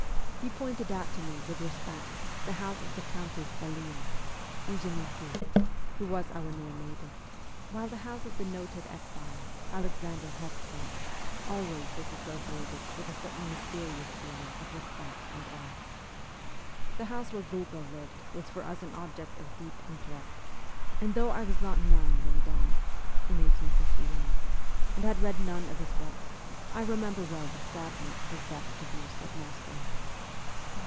He pointed out to me with respect the house of the Countess Salias (Eugenie Tour), who was our near neighbour, while the house of the noted exile Alexander Herzen always was associated with a certain mysterious feeling of respect and awe. The house where Gogol lived was for us an object of deep respect, and though I was not nine when he died (in 1851), and had read none of his works, I remember well the sadness his death pro duced at Moscow.